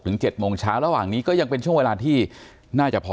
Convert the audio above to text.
๗โมงเช้าระหว่างนี้ก็ยังเป็นช่วงเวลาที่น่าจะพอ